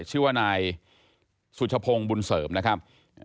ชื่อว่านายสุชพงศ์บุญเสริมนะครับ